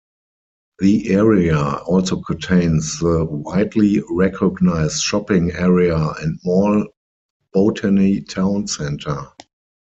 The area also contains the widely-recognized shopping area and mall Botany Town Centre.